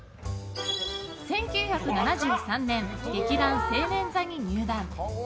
１９７３年、劇団青年座に入団。